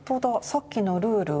さっきのルール。